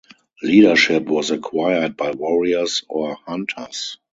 Leadership was acquired by warriors or hunters.